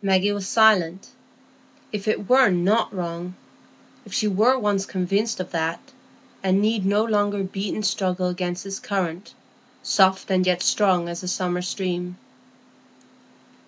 Maggie was silent. If it were not wrong—if she were once convinced of that, and need no longer beat and struggle against this current, soft and yet strong as the summer stream!